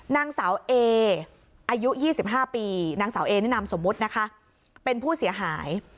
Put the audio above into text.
นางสาวเออายุ๒๕ปีนางสาวเอนี่นามสมมุตินะคะเป็นผู้เสียหาย